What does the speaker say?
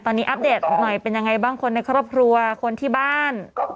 ตอนนี้อัปเดตหน่อยเป็นยังไงบ้างคนในครอบครัวคนที่บ้าน